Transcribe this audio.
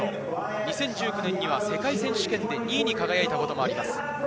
２０１９年には世界選手権で２位に輝いたこともあります。